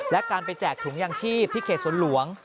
และการไปแจกถุงยางชีพที่เขตสวนหลวง